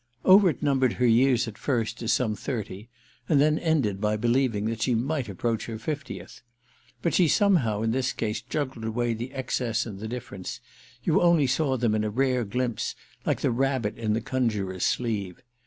Overt numbered her years at first as some thirty, and then ended by believing that she might approach her fiftieth. But she somehow in this case juggled away the excess and the difference—you only saw them in a rare glimpse, like the rabbit in the conjurer's sleeve.